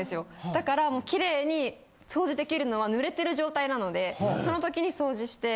だからキレイに掃除できるのは濡れてる状態なのでその時に掃除して。